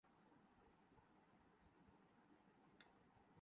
اس موضوع پہ بہت سی تجاویز بھی پیش کی جا چکی ہیں۔